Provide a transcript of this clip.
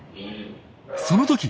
その時！